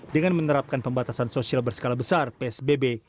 dengan menerapkan pembatasan sosial berskala besar psbb